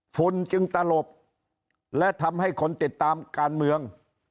ฝุ่นจึงตลบและทำให้คนติดตามการเมือง